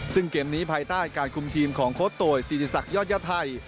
ซึ่งเกมนี้ภายใต้การคุมทีมของโค้ดโตยศิริษักยอดยาไทย